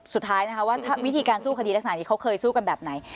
สุดท้ายนะคะว่าวิธีการสู้คดีลักษณะนี้เขาเคยสู้กันแบบไหน